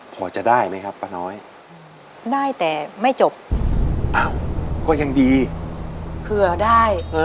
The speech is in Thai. พอจะได้ไหมครับป้าน้อยได้แต่ไม่จบอ้าวก็ยังดีเผื่อได้เออ